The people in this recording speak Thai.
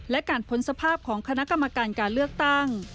และการพ้นสภาพของคณะกรรมการการเลือกตั้ง